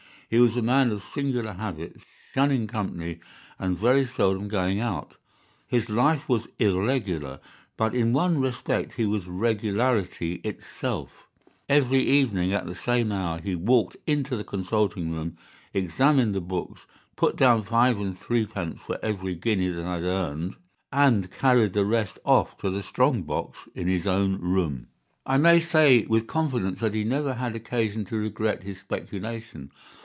He was a man of singular habits, shunning company and very seldom going out. His life was irregular, but in one respect he was regularity itself. Every evening, at the same hour, he walked into the consulting room, examined the books, put down five and three pence for every guinea that I had earned, and carried the rest off to the strong box in his own room. "I may say with confidence that he never had occasion to regret his speculation.